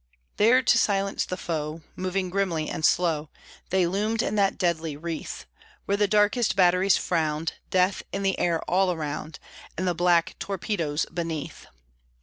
There, to silence the foe, Moving grimly and slow, They loomed in that deadly wreath, Where the darkest batteries frowned, Death in the air all round, And the black torpedoes beneath!